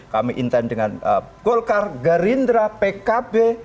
kami intent dengan golkar gerindra pkb